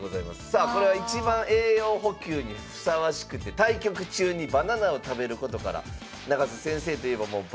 さあこれは一番栄養補給にふさわしくて対局中にバナナを食べることから永瀬先生といえばもうバナナバナナの方だと。